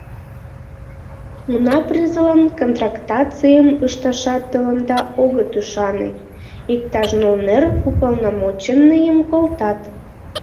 Уна, презылан контрактацийым ышташат тыланда огыт ӱшане — иктаж нолнер уполномоченныйым колтат.